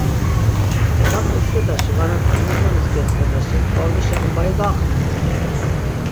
Ntsaş otzk̆edaşi vanati t̆ilifonis gyotzk̆edaşi t̆aonişi ambayi gaqven.